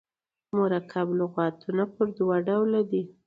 مرکب لغاتونه پر دوه ډوله دي.